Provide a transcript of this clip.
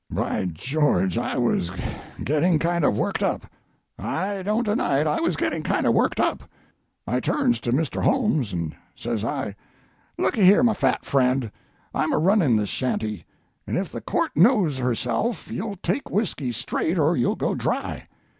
"By George, I was getting kind of worked up. I don't deny it, I was getting kind of worked up. I turns to Mr. Holmes, and says I, 'Looky here, my fat friend, I'm a running this shanty, and if the court knows herself, you'll take whiskey straight or you'll go dry.'